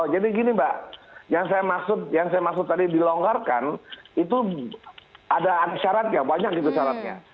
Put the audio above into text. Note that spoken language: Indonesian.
jadi gini mbak yang saya maksud tadi dilonggarkan itu ada syaratnya banyak syaratnya